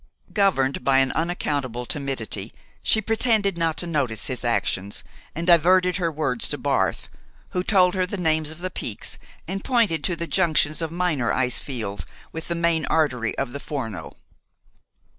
Governed by an unaccountable timidity, she pretended not to notice his actions, and diverted her words to Barth, who told her the names of the peaks and pointed to the junctions of minor ice fields with the main artery of the Forno.